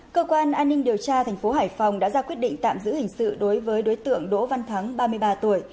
cơ quan an ninh điều tra thành phố hải phòng đã ra quyết định tạm giữ hình sự đối với đối tượng đỗ văn thắng ba mươi ba tuổi